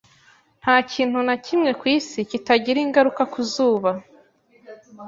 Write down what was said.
Nta kintu na kimwe ku isi kitagira ingaruka ku zuba